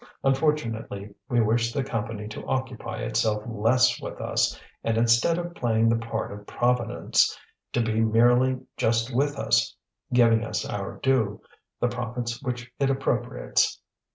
Unfortunately, we wish the Company to occupy itself less with us, and instead of playing the part of Providence to be merely just with us, giving us our due, the profits which it appropriates.